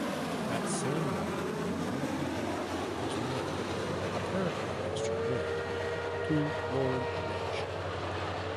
That same year Penelope Devereux was married, apparently against her will, to Lord Rich.